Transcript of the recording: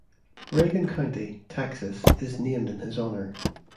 Reagan County, Texas is named in his honor.